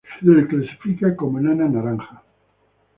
Se la clasifica como enana naranja.